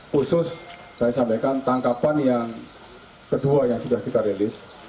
khusus saya sampaikan tangkapan yang kedua yang sudah kita rilis